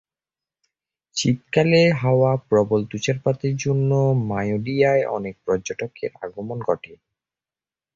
শীতকালে হওয়া প্রবল তুষারপাতের জন্য মায়োডিয়ায় অনেক পর্যটকের আগমন ঘটে।